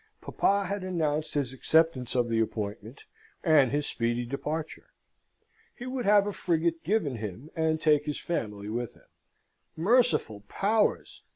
Papa had announced his acceptance of the appointment, and his speedy departure. He would have a frigate given him, and take his family with him. Merciful powers!